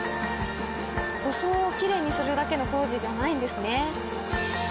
装をきれいにするだけの工事じゃないんですね。